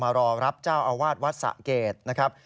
รอรับเจ้าอาวาสวัดสะเกดนะครับ